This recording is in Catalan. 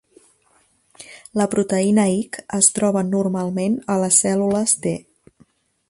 La proteïna lck es troba normalment a les cèl·lules T.